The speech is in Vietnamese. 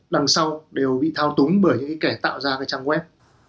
lần sau đều bị thao túng bởi những kẻ tạo ra các trang web